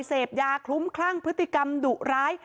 เสพยาคลุ้มคลั่งพฤติกรรมดุร้าย